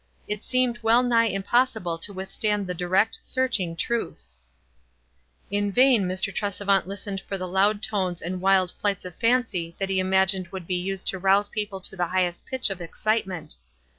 It seemed well nigh impossible to withstand the direct, searching truth. In vain Mr. Tresevant listened for the loud tones and wild flighu of tancy that he imagined would be used to rouse people to the highest pitch of excitement.